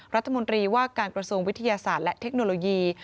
รัฐมนตรีว่าการกระทรวงวิทยาศาสตร์และเทคโนโลยี